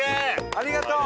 ありがとう。